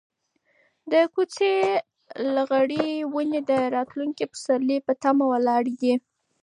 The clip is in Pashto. د کوڅې لغړې ونې د راتلونکي پسرلي په تمه ولاړې دي.